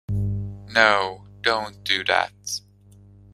No, don't do that.